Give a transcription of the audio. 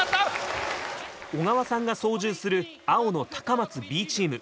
小川さんが操縦する青の高松Ｂチーム。